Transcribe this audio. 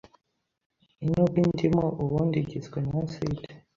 Nubwo indimu ubundi igizwe na aside,